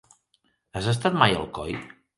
Has estat mai a Alcoi?